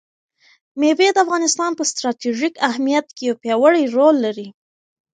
مېوې د افغانستان په ستراتیژیک اهمیت کې یو پیاوړی رول لري.